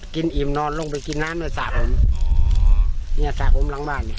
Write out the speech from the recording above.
กินอิ่มนอนลงไปกินน้ำด้วยสากผมนี่สากผมหลังบ้าน